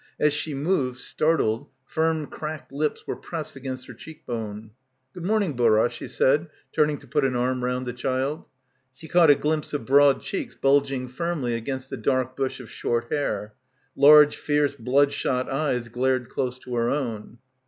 As she moved, startled, firm cracked lips were pressed against her cheek bone. "Good morning, Burra," she said, turn ing to put an arm round the child. She caught a glimpse of broad cheeks bulging firmly against a dark bush of short hair. Large fierce bloodshot eyes glared close to her own.